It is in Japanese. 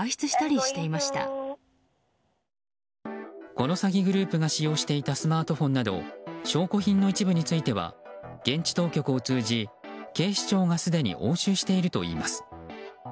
この詐欺グループが使用していたスマートフォンなど証拠品の一部については現地当局を通じ警視庁がすでに押収しているといいます。